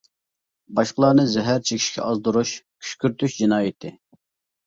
باشقىلارنى زەھەر چېكىشكە ئازدۇرۇش، كۈشكۈرتۈش جىنايىتى.